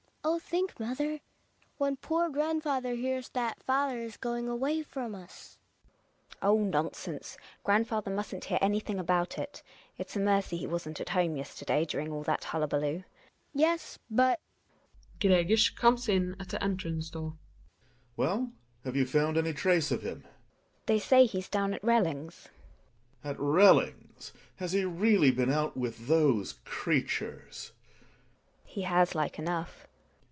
Oh, think, mother, when poor grandfather hears that father is going away from us. GiNA. Oh, nonsense ! Grandfather mustn't hear any thing about it. It's a mercv he wasn't at home yester day during all that hullaballoo. Hedvig. Yes, but Gregers comes in at the entrance door. Gregers. Well ? Have you found any trace of him ? GiNA. They say he's down at Relling's. Gregers. At Relling's ! Has he really been out with those creatures ? GiNA. He has like enough.